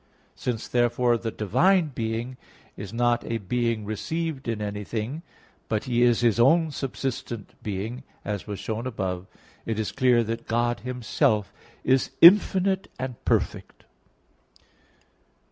3). Since therefore the divine being is not a being received in anything, but He is His own subsistent being as was shown above (Q. 3, A. 4), it is clear that God Himself is infinite and perfect.